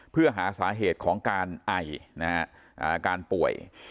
เพื่อหาสาเหตุของการไอนะฮะการป่วย